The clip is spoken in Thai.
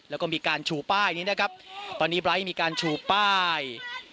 แล้วก็มีการชูป้ายนี้นะครับตอนนี้ไลท์มีการชูป้าย